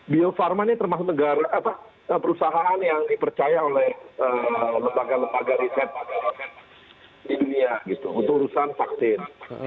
bio farma ini termasuk negara perusahaan yang dipercaya oleh lembaga lembaga riset di dunia untuk urusan vaksin